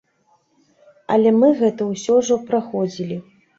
Але мы гэта ўсё ўжо праходзілі.